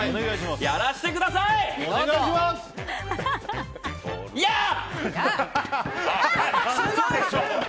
やらしてください！ヤー！